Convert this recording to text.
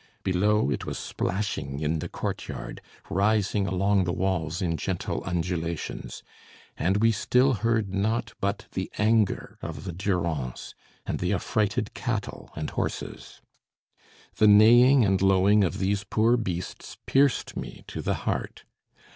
Below, it was splashing in the courtyard, rising along the walls in gentle undulations. And we still heard naught but the anger of the Durance, and the affrighted cattle and horses. The neighing and lowing of these poor beasts pierced me to the heart.